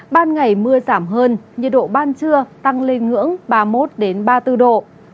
ban ngày mưa giảm hơn nhiệt độ ban trưa tăng lên ngưỡng ba mươi một ba mươi bốn độ